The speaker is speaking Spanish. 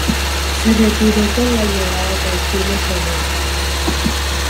Se retiró con la llegada del cine sonoro.